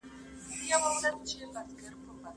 منطقي تسلسل د څېړني اعتبار زیاتوي.